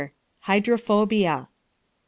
Hydrophobia. Q.